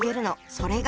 それが。